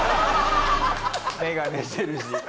眼鏡してるし。